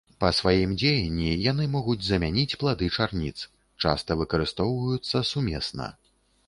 Па сваім дзеянні яны могуць замяніць плады чарніц, часта выкарыстоўваюцца сумесна.